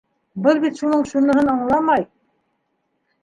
Был бит шуның шуныһын аңламай.